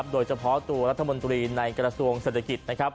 โดยเฉพาะตัวรัฐมนตรีในกระทรวงเศรษฐกิจนะครับ